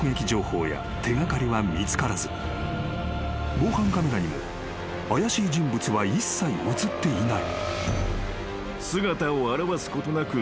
［防犯カメラにも怪しい人物は一切写っていない］